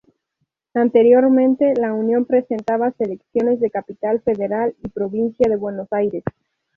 Anteriormente, la unión presentaba selecciones de Capital Federal y Provincia de Buenos Aires.